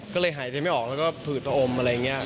ก็เลยหายใจไม่ออกแล้วก็ผืดตะอมอะไรอย่างนี้